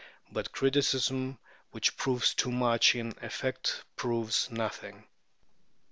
But criticism which proves too much in effect proves nothing.